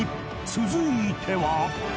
続いては